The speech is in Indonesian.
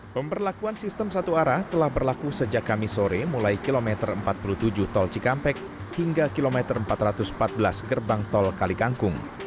pemberlakuan sistem satu arah telah berlaku sejak kami sore mulai kilometer empat puluh tujuh tol cikampek hingga kilometer empat ratus empat belas gerbang tol kalikangkung